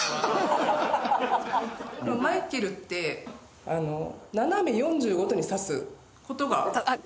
マイケルって斜め４５度にさす事が多い。